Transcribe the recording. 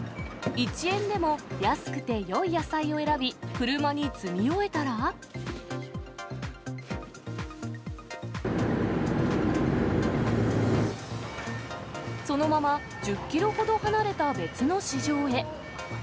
一円でも安くてよい野菜を選び、車に積み終えたら、そのまま１０キロほど離れた別の市場へ。